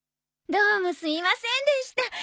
どうもすみませんでした。